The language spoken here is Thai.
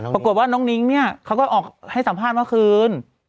ปรากฏว่าน้องนิ้งเนี่ยเขาก็ออกให้สัมภาษณ์เมื่อคืน